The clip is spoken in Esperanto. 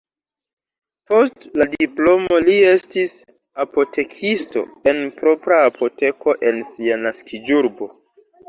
Post la diplomo li estis apotekisto en propra apoteko en sia naskiĝurbo.